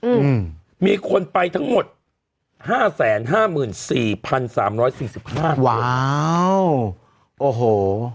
อืมมีคนไปทั้งหมด๕๕๔๓๔๕คนว้าวโอ้โห